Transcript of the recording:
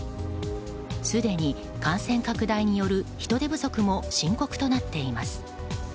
すでに感染拡大による人手不足も深刻となっています。